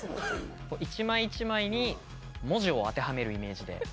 一枚一枚に文字を当てはめるイメージで。